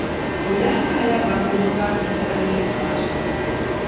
O lahi pahila baŋdiba ban mi liɣiri yɛltɔɣa zuɣu.